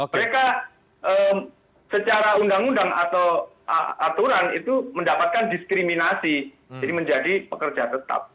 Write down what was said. mereka secara undang undang atau aturan itu mendapatkan diskriminasi jadi menjadi pekerja tetap